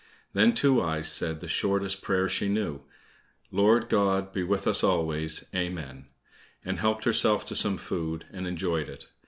Then Two eyes said the shortest prayer she knew, "Lord God, be with us always, Amen," and helped herself to some food, and enjoyed it.